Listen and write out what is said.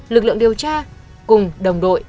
lực lượng điều tra cùng đồng đội